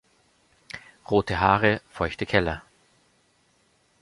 Rote Haare, feuchte Keller.